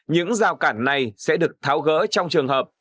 những rào cản này sẽ được tháo gỡ trong trường hợp